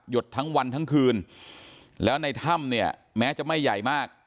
ดทั้งวันทั้งคืนแล้วในถ้ำเนี่ยแม้จะไม่ใหญ่มาก